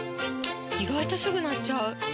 意外とすぐ鳴っちゃう！